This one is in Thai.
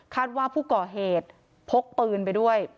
ว่าผู้ก่อเหตุพกปืนไปด้วย